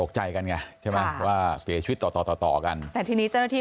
ตกใจกันใช่ไหมว่าเสียชีวิตต่อกันแต่ที่นี้เจ้าหน้าที่